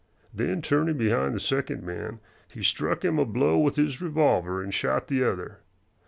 Then turning behind the second man, he struck him a blow with his revolver and shot the other.